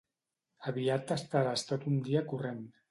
Aviat t'estaràs tot un dia corrent.